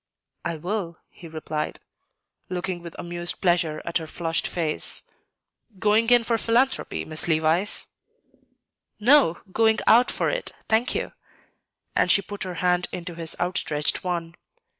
"I will," he replied, looking with amused pleasure at her flushed face. "Going in for philanthropy, Miss Levice?" "No; going out for it, thank you;" and she put her hand into his outstretched one.